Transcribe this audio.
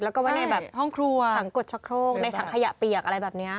และในห้างกดชะโค้งในห้างขยะเปียกอะไรแบบนี้